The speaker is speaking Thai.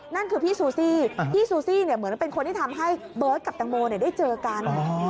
นั่นคือพี่ซูซี่พี่ซูซี่เหมือนเป็นคนที่ทำให้เบิร์ตกับแตงโมได้เจอกัน